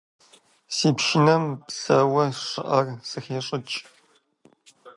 Си пшынэм бзэуэ щыӀэр зэхещӀыкӀ.